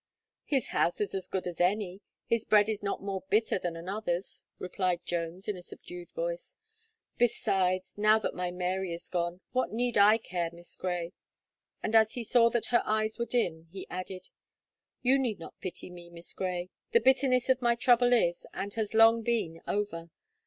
"His house is as good as any; his bread is not more bitter than another's," replied Jones, in a subdued voice, "besides, now that my Mary is gone, what need I care, Miss Gray?" And as he saw that her eyes were dim, he added: "You need not pity me, Miss Gray, the bitterness of my trouble is, and has long been over.